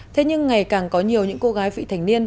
thế nhưng ngày càng có nhiều những cô gái vị thành niên